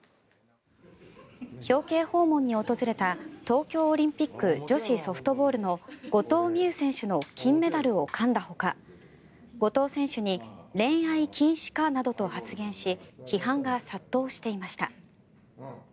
表敬訪問に訪れた東京オリンピック女子ソフトボールの後藤希友選手の金メダルをかんだほか後藤選手に恋愛禁止かなどと発言し批判が殺到していました。